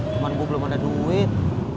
cuma gue belum ada duit